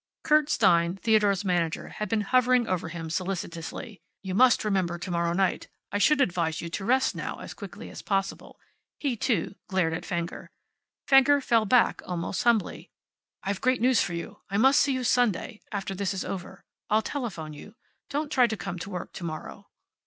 Kurt Stein, Theodore's manager, had been hovering over him solicitously. "You must remember to morrow night. I should advise you to rest now, as quickly as possible." He, too, glared at Fenger. Fenger fell back, almost humbly. "I've great news for you. I must see you Sunday. After this is over. I'll telephone you. Don't try to come to work to morrow."